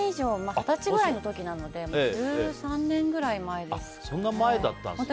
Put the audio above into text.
二十歳ぐらいの時なのでもう１３年くらい前ですね。